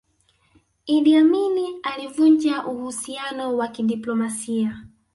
idi amini alivunja uhusiano wa kidiplomasia